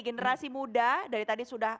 generasi muda dari tadi sudah